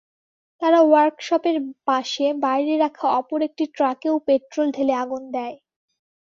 তারা ওয়ার্কশপের পাশে বাইরে রাখা অপর একটি ট্রাকেও পেট্রল ঢেলে আগুন দেয়।